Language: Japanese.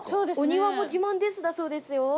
「お庭も自慢です」だそうですよ。